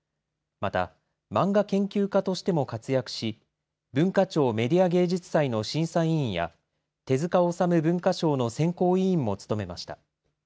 また漫画研究家としても活躍し文化庁メディア芸術祭の審査委員や手塚治虫文化賞の選考委員も務めました。